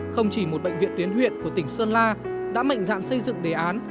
không chỉ một bệnh viện tuyến huyện của tỉnh sơn la đã mạnh dạn xây dựng đề án